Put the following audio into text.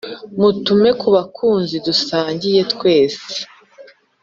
Mutume ku bakunzi dusangiye twese